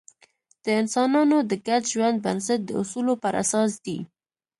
د انسانانو د ګډ ژوند بنسټ د اصولو پر اساس دی.